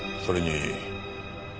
それに？